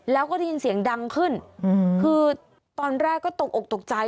แล้วก็ได้ยินเสียงดังขึ้นคือตอนแรกก็ตกอกตกใจ